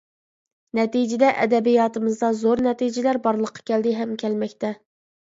نەتىجىدە ئەدەبىياتىمىزدا زور نەتىجىلەر بارلىققا كەلدى ھەم كەلمەكتە.